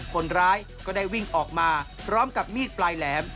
คนร้ายก็ได้วิ่งออกมาพร้อมกับมีดปลายแหลม